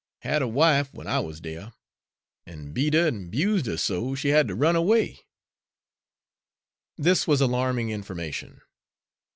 Had a wife, when I wuz dere, an' beat her an' 'bused her so she had ter run away." This was alarming information.